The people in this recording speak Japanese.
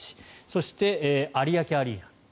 そして、有明アリーナ。